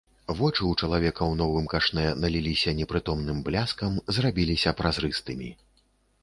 Вочы ў чалавека ў новым кашнэ наліліся непрытомным бляскам, зрабіліся празрыстымі.